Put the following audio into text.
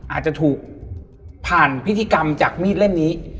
อาจจะถูกผ่านพิธีกรรมจากมีดเล่มนี้